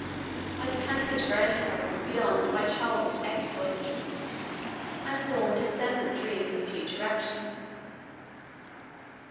I panted for enterprises beyond my childish exploits, and formed distempered dreams of future action.